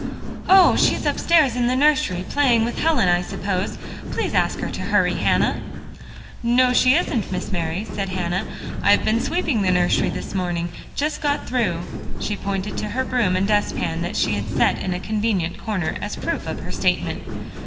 "Oh! she's upstairs in the nursery, playing with Helen, I suppose. Please ask her to hurry, Hannah." "No, she isn't, Miss Mary," said Hannah. "I've been sweeping the nursery this morning; just got through." She pointed to her broom and dustpan that she had set in a convenient corner, as proof of her statement.